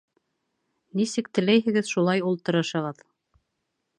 Нисек теләйһегеҙ, шулай ултырышығыҙ.